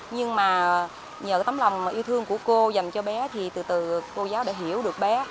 nhưng mà nhờ cái tấm lòng yêu thương của cô dành cho bé thì từ từ cô giáo đã hiểu được bé